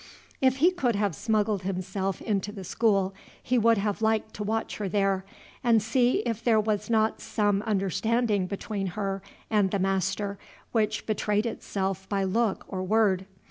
If he could have smuggled himself into the school, he would have liked to watch her there, and see if there was not some understanding between her and the master which betrayed itself by look or word.